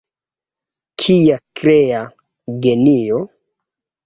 Kia krea genio!